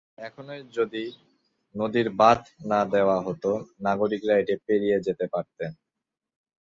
এখনই যদি নদীর বাঁধ না দেওয়া হতো "নাগরিকরা এটি পেরিয়ে যেতে পারতেন"।